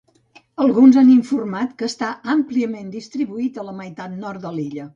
Alguns han informat que està àmpliament distribuït a la meitat nord de l'illa.